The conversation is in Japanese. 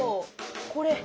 これ。